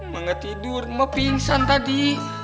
mak gak tidur mak pingsan tadi